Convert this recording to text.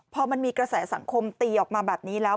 พอมันมีกระแสสังคมตีออกมาแบบนี้แล้ว